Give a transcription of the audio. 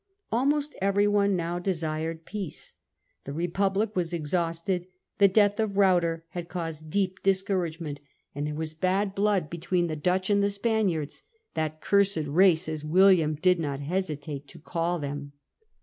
Almost everyone now desired peace. The Republic was exhausted ; the death of Ruyter had caused deep Demand for discouragement; and there was bad blood United 11 between the Dutch and the Spaniards— that Provinces. « cursed race,' as William did not hesitate to call them.